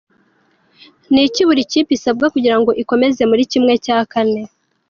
Ni iki buri kipe isabwa kugira ngo ikomeze muri ¼.